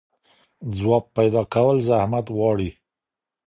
ځواب پيدا کول زحمت غواړي.